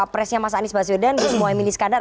presnya mas anies baswedan gus muhaymin iskandar